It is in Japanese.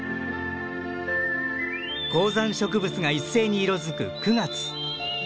高山植物が一斉に色づく９月。